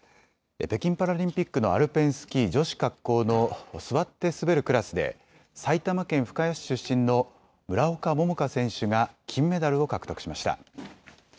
北京パラリンピックのアルペンスキー、女子滑降の座って滑るクラスで埼玉県深谷市出身の村岡桃佳選手が金メダルを獲得しました。